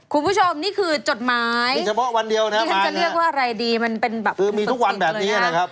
คุณผู้ชมนี่คือจดหมายมีเฉพาะวันเดียวนะครับมีทุกวันแบบนี้นะครับ